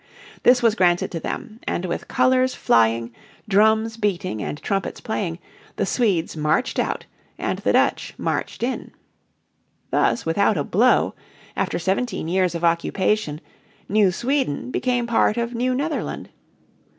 This was granted to them and with colours flying, drums beating and trumpets playing the Swedes marched out and the Dutch marched in. Thus without a blow, after seventeen years of occupation, New Sweden became part of New Netherland.